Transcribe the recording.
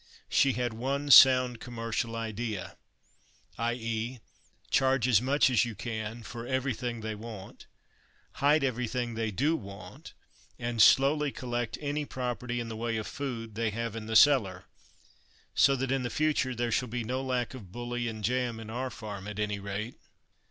She had one sound commercial idea, i.e., "charge as much as you can for everything they want, hide everything they do want, and slowly collect any property, in the way of food, they have in the cellar; so that, in the future, there shall be no lack of bully and jam in our farm, at any rate."